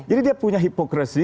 jadi dia punya hipokresi